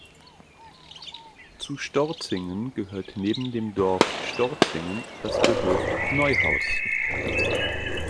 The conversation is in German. Zu Storzingen gehört neben dem Dorf "Storzingen" das Gehöft "Neuhaus".